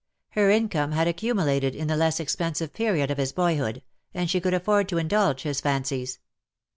Her income had accumulated in the less expensive period of his boy hood, and she could afford to indulge his fancies.